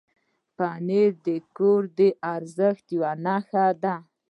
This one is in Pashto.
پنېر د کور د ارزښت یو نښه ده.